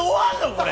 これ。